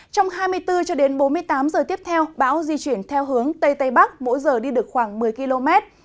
trong hai mươi bốn bốn mươi tám giờ tiếp theo bão di chuyển theo hướng tây tây bắc mỗi giờ đi được khoảng một mươi km